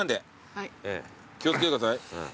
気を付けてください。